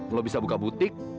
lu bisa buka butik